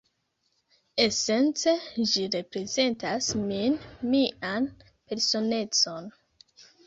Esence, ĝi reprezentas min, mian personecon